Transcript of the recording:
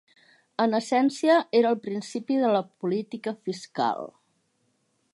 En essència, era el principi de la política fiscal.